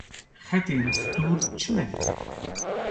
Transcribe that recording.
Xetên stûr çi ne?